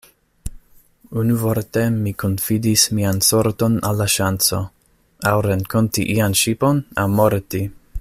Unuvorte, mi konfidis mian sorton al la ŝanco; aŭ renkonti ian ŝipon aŭ morti.